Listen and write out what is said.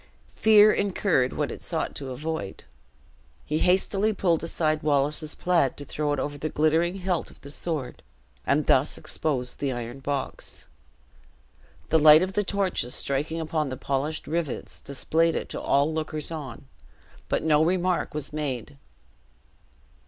Fear incurred what it sought to avoid. He hastily pulled aside Wallace's plaid to throw it over the glittering hilt of the sword, and thus exposed the iron box. The light of the torches striking upon the polished rivets, displayed it to all lookers on, but no remark was made.